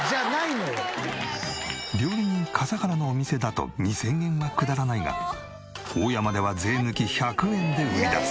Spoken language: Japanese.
料理人笠原のお店だと２０００円は下らないがオオヤマでは税抜き１００円で売り出す。